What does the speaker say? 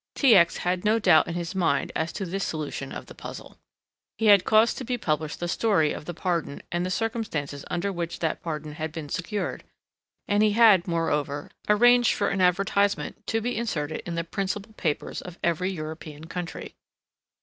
T. X. had no doubt in his mind as to this solution of the puzzle. He had caused to be published the story of the pardon and the circumstances under which that pardon had been secured, and he had, moreover, arranged for an advertisement to be inserted in the principal papers of every European country.